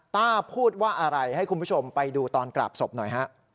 ต้าพูดว่าอะไรให้คุณผู้ชมไปดูตอนกราบศพหน่อยฮะ